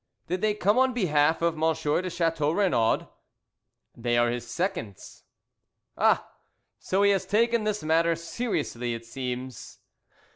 "Did they come on behalf of M. de Chateau Renaud?" "They are his seconds." "Ah! so he has taken this matter seriously it seems."